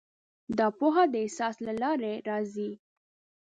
دا پوهه د احساس له لارې راځي.